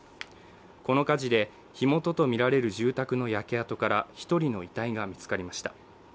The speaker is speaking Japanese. この火事で火元とみられる住宅の焼け跡から１人の遺体が見つかりました。